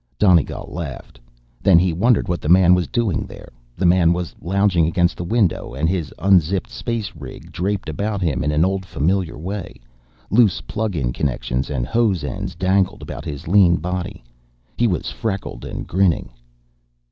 Donegal laughed. Then he wondered what the man was doing there. The man was lounging against the window, and his unzipped space rig draped about him in an old familiar way. Loose plug in connections and hose ends dangled about his lean body. He was freckled and grinning.